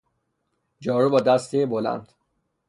جارو با دستهی بلند